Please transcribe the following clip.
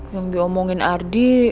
yang diomongin ardi